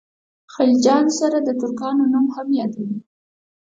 د خلجیانو سره د ترکانو نوم هم یادوي.